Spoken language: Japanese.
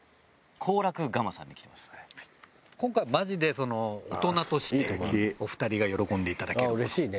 今回はマジで大人としてお二人が喜んでいただけるもの。